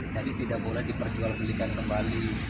jadi tidak boleh diperjual belikan kembali